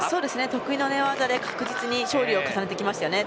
得意の寝技で確実に勝利を重ねてきましたね。